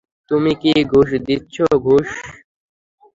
তুমি কি ঘুষ দিচ্ছ ঘুষ?